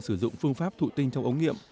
sử dụng phương pháp thủ tinh trong ống nghiệm